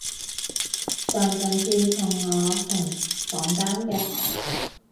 上上次跟我同房间的